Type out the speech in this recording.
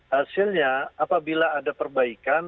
hasilnya apabila ada perbaikan